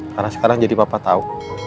karena sekarang jadi papa tau